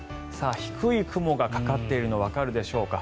低い雲がかかっているのわかるでしょうか。